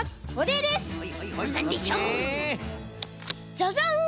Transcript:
ジャジャン！